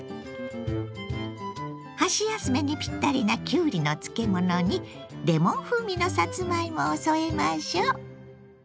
箸休めにぴったりなきゅうりの漬物にレモン風味のさつまいもを添えましょう。